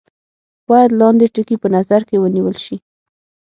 باید لاندې ټکي په نظر کې ونیول شي.